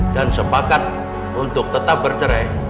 dan sepakat untuk tetap bercerai